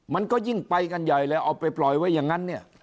มันก็ยิ่งไปกันใหญ่เลยเอาไปปล่อยไว้อย่างนั้นเนี่ย